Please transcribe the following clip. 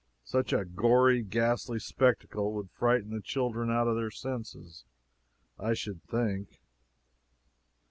Such a gory, ghastly spectacle would frighten the children out of their senses, I should think.